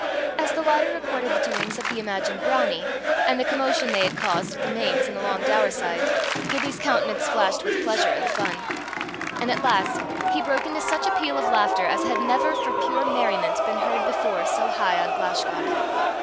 As the latter reported the doings of the imagined brownie, and the commotion they had caused at the Mains and along Daurside, Gibbie's countenance flashed with pleasure and fun; and at last he broke into such a peal of laughter as had never, for pure merriment, been heard before so high on Glashgar.